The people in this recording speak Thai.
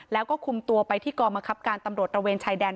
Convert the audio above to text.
แล้วก็คุมตัวไปที่กรมคับการตำรวจตระเวนชายแดน